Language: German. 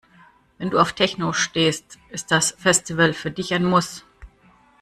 Wenn du auf Techno stehst, ist das Festival für dich ein Muss.